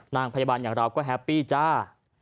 นางพยาบาลอย่างเราก็แฮปปี้จ้า